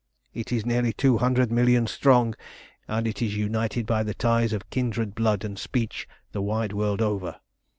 It is nearly two hundred million strong, and it is united by the ties of kindred blood and speech the wide world over.